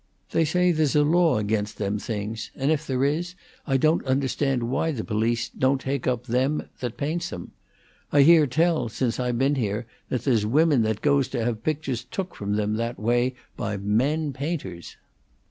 They say there's a law ag'inst them things; and if there is, I don't understand why the police don't take up them that paints 'em. I hear tell, since I been here, that there's women that goes to have pictur's took from them that way by men painters."